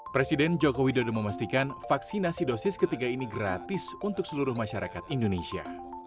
presiden joko widodo memastikan vaksinasi dosis ketiga ini gratis untuk seluruh masyarakat indonesia